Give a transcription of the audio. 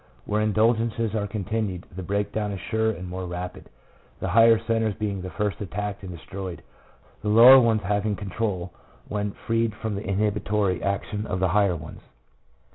Where in dulgences are continued the breakdown is surer and more rapid, the higher centres being the first attacked and destroyed, the low r er ones having control when freed from the inhibitory action of the higher ones.